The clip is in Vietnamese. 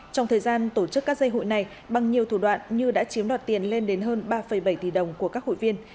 trong thời gian tổ chức các dây hụi này bằng nhiều thủ đoạn như đã chiếm đoạt tiền lên đến hơn ba bảy tỷ đồng của các hội viên